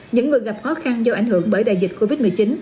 những người gặp khó khăn do ảnh hưởng bởi đại dịch covid một mươi chín